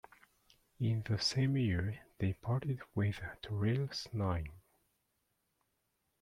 In the same year, they parted with Toril Snyen.